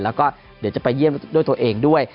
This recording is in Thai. แล้วก็เดี๋ยวจะไปเยี่ยมด้วยตัวเองด้วย